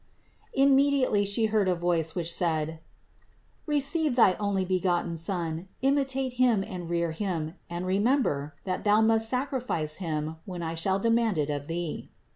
Immediately She heard a voice, which said: "Receive thy Onlybe gotten Son, imitate Him and rear Him; and remember, that thou must sacrifice Him when I shall demand it of thee."